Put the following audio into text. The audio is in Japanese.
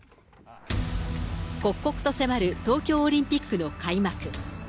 刻々と迫る東京オリンピックの開幕。